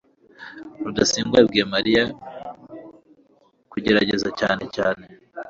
rudasingwa yabwiye mariya kugerageza cyane cyane